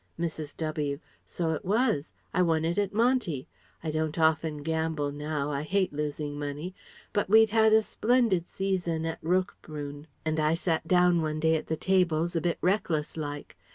Mrs. W.: "So it was. I won it at Monte. I don't often gamble now, I hate losing money. But we'd had a splendid season at Roquebrune and I sat down one day at the tables, a bit reckless like.